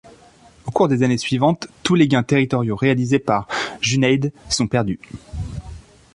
Au cours des années suivantes, tous les gains territoriaux réalisés par Junayd sont perdus.